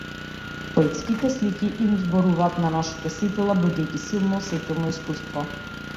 Поетските слики им зборуваат на нашите сетила, будејќи силно сетилно искуство.